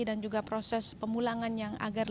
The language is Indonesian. dan juga proses pemulangan yang agar